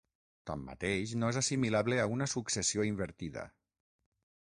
Tanmateix, no és assimilable a una successió invertida.